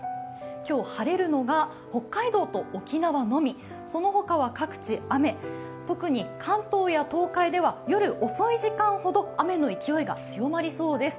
今日、晴れるのが北海道と沖縄のみその他は各地雨、特に関東や東海では夜遅い時間ほど雨の勢いが強まりそうです。